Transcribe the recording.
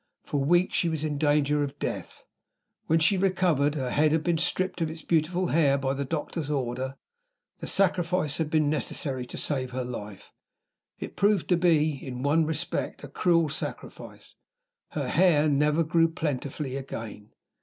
For weeks she was in danger of death. When she recovered, her head had been stripped of its beautiful hair by the doctor's order. The sacrifice had been necessary to save her life. It proved to be, in one respect, a cruel sacrifice her hair never grew plentifully again.